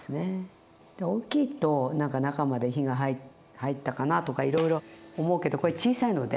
大きいと何か中まで火が入ったかなとかいろいろ思うけどこれ小さいので。